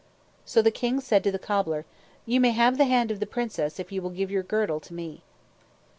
So the king said to the cobbler, "You may have the hand of the princess if you will give your girdle to me."